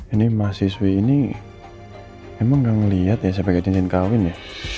ini mahasiswi ini emang nggak ngelihat ya saya pake cincin kawin ya